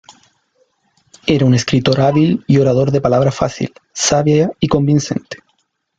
Era un escritor hábil y orador de palabra fácil, sabia y convincente.